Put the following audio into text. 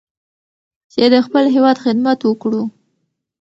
چې د خپل هېواد خدمت وکړو.